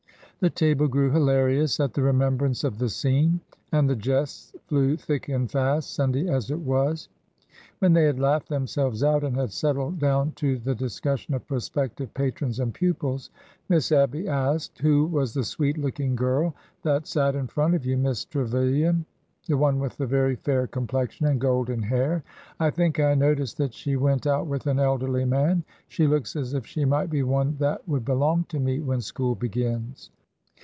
The table grew hilarious at the remembrance of the scene, and the jests flew thick and fast, Sunday as it was. When they had laughed themselves out, and had settled down to the discussion of prospective patrons and pupils. Miss Abby asked : Who was the sweet looking girl that sat in front of you, Miss Trevilian, — the one with the very fair com plexion and golden hair ? I think I noticed that she went out with an elderly man. She looks as if she might be one that would belong to me when school begins."